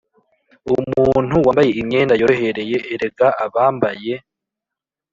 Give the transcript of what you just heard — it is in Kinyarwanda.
Umuntu wambaye imyenda yorohereye erega abambaye